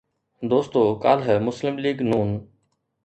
دوستو ڪالهه مسلم ليگ ن